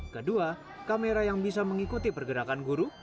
kedua kamera yang bisa mengikuti pergerakan guru